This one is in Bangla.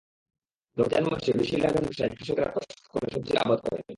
রমজান মাসে বেশি লাভের আশায় কৃষকেরা কষ্ট করে সবজির আবাদ করেন।